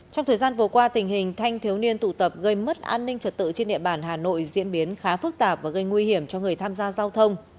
trong thời gian vừa qua tình hình thanh thiếu niên tụ tập gây mất an ninh trật tự trên địa bàn hà nội diễn biến khá phức tạp và gây nguy hiểm cho người tham gia giao thông